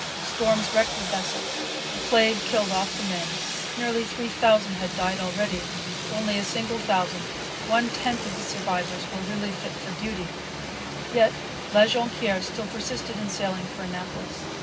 Storms wrecked the vessels. The plague killed off the men: nearly three thousand had died already. Only a single thousand, one tenth of the survivors, were really fit for duty. Yet La Jonquiere still persisted in sailing for Annapolis.